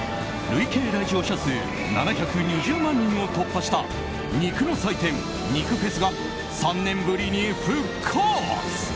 累計来場者数７２０万人を突破した肉の祭典、肉フェスが３年ぶりに復活。